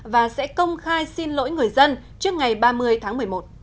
và sẽ công khai xin lỗi người dân trước ngày ba mươi tháng một mươi một